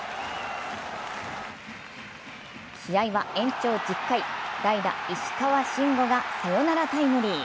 試合は延長１０回、代打・石川慎吾がサヨナラタイムリー。